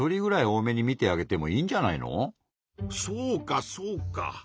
そうかそうか。